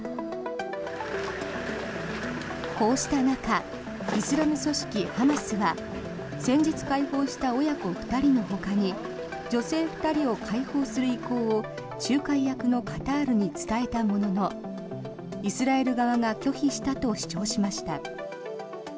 こうした中イスラム組織ハマスは先日解放した親子２人のほかに女性２人を解放する意向を仲介役のカタールに伝えたもののイスラエル側が拒否したと主張しました。